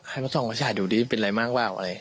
ให้มาส่องไฟฉายโดนดีเลยเป็นอะไรมากประมาณอะไร